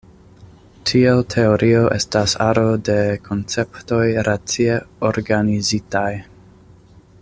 Tiel teorio estas aro de konceptoj racie organizitaj.